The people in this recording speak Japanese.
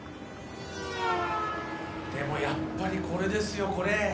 でもやっぱりこれですよこれ。